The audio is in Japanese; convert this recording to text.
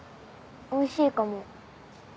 おいしいかも。